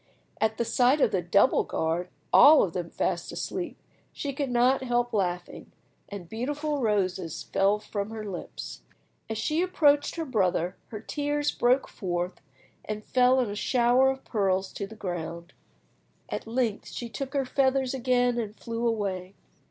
At the sight of the double guard, all of them fast asleep, she could not help laughing, and beautiful roses fell from her lips. As she approached her brother her tears broke forth and fell in a shower of pearls to the ground. At length she took her feathers again and flew away.